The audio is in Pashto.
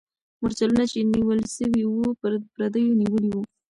مرچلونه چې نیول سوي وو، پردیو نیولي وو.